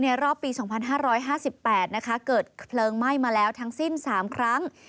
รอบปี๒๕๕๘เกิดเพลิงไหม้มาแล้วทั้งสิ้น๓ครั้ง